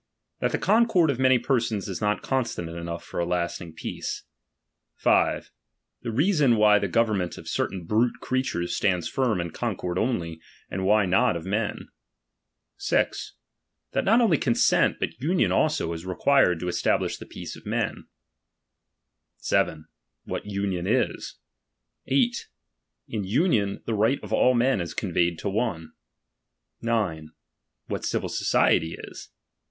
That the concord of many persons is not constant enough for a lasting peace. S. The reason why t!ie government of certain brute creatureu Blands firm in concord only, and why not of men. 6. That not only consent, but union also, is required to establisli the peace of men. 7. What union ia. 8. In union, the right of ail men ii conveyed to one. 9 What civil society is.